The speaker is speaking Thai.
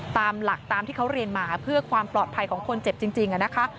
ตามหลักตามที่เขาเรียนมาเพื่อความปลอดภัยของคนเจ็บจริงนะคะ